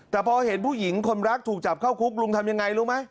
แต่พอเห็นผู้หญิงคนรักถูกจับเข้าคุกลุงทำยังไงรู้ไหม